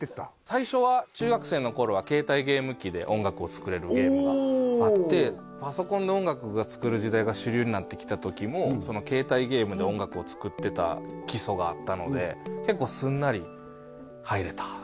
最初は中学生の頃は携帯ゲーム機で音楽を作れるゲームがあってパソコンで音楽を作る時代が主流になってきた時も携帯ゲームで音楽を作ってた基礎があったので結構すんなり入れたあ